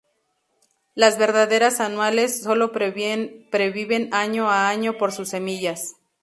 Las "verdaderas anuales" sólo perviven año a año por sus semillas.